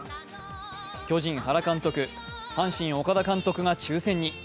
巨人・原監督、阪神・岡田監督が抽選に。